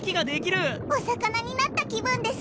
お魚になった気分です。